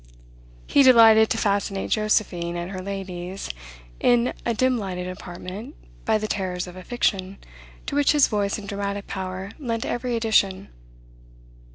He delighted to fascinate Josephine and her ladies, in a dim lighted apartment, by the terrors of a fiction, to which his voice and dramatic power lent every addition.